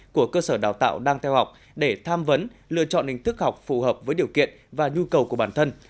của cơ sở đào tạo đang theo học để tham vấn lựa chọn hình thức học phù hợp với điều kiện và nhu cầu của bản thân